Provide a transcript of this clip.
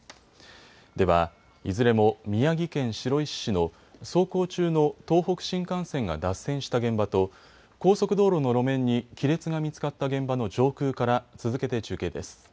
では、いずれも宮城県白石市の走行中の東北新幹線が脱線した現場と高速道路の路面に亀裂が見つかった現場の上空から続けて中継です。